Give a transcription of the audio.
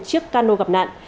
trước cano gặp nạn